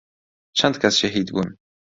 چەند کەس شەهید بوون